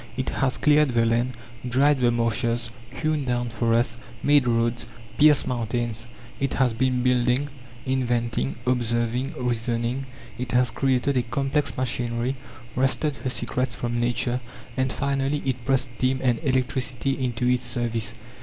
It has cleared the land, dried the marshes, hewn down forests, made roads, pierced mountains; it has been building, inventing, observing, reasoning; it has created a complex machinery, wrested her secrets from Nature, and finally it pressed steam and electricity into its service.